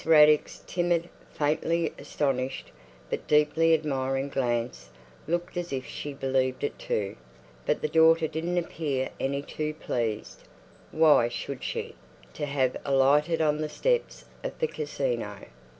Raddick's timid, faintly astonished, but deeply admiring glance looked as if she believed it, too; but the daughter didn't appear any too pleased—why should she?—to have alighted on the steps of the Casino.